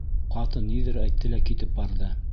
Ҡатын ниҙер әйтте лә китеп барҙы.